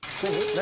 何？